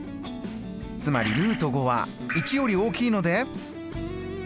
つまりは１より大きいので。